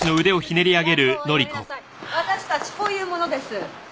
私たちこういう者です。